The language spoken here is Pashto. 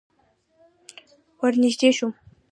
ور نږدې شوم.